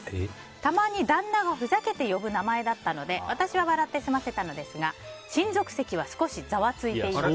たまに旦那がふざけて呼ぶ名前だったので私は笑って済ませたのですが親族席は少しざわついていました。